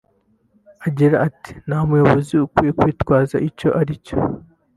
Agira ati “Nta muyobozi ukwiye kwitwaza icyo ari cyo